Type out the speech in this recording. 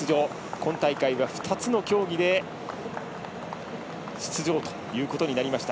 今大会は２つの競技で出場ということになりました。